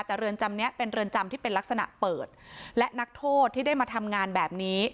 แต่เรือนจำเนี้ยเป็นเรือนจำที่เป็นลักษณะเปิดและนักโทษที่ได้มาทำงานแบบนี้